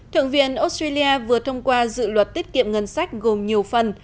thượng viện australia vừa thông qua dự luật tiết kiệm ngân sách gồm nhiều phần